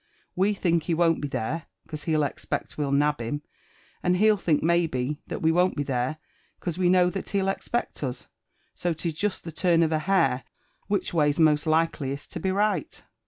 We think he won't be there, 'cause he'll expect we'll nab him ; and he'll think, maybe, that we won't be there, 'cause we know that he'll expect us. So 'tis jest the turn of a hair whiph way's most likeliest to be right."